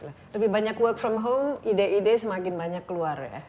lebih banyak work from home ide ide semakin banyak keluar ya